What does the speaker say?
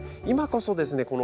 今こそですね